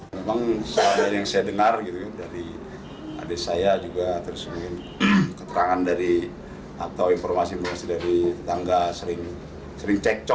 memang selalu yang saya dengar dari adik saya juga tersebut keterangan dari atau informasi informasi dari tetangga sering cekcok